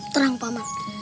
terang pak mak